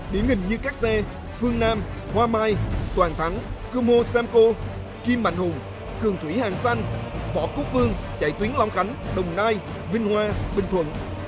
điển hình như các xe phương nam hoa mai toàn thắng cơm hô xem cô kim mạnh hùng cường thủy hàng xanh phỏ cúc phương chạy tuyến long khánh đồng nai vinh hoa bình thuận